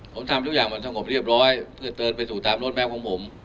ผมทำทุกอย่างมันสงบเรียบร้อยเพื่อเดินไปสู่ตามรถแมพของผม